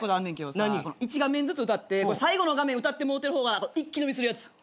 １画面ずつ歌って最後の画面歌ってもうてる方が一気飲みするやつ。